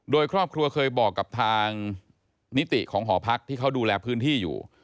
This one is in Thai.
โดยครอบครัวเคยบอกกับทางนิติของหอพักที่เขาดูแลพื้นที่อยู่